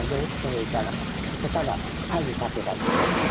言うたら、外から鍵かけられてんねん。